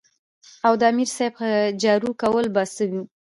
او د امیر صېب جارو کول به څۀ وو ـ